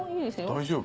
大丈夫？